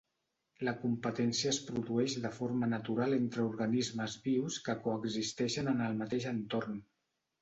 La competència es produeix de forma natural entre organismes vius que coexisteixen en el mateix entorn.